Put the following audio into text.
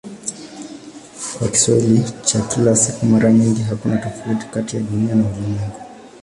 Kwa Kiswahili cha kila siku mara nyingi hakuna tofauti kati ya "Dunia" na "ulimwengu".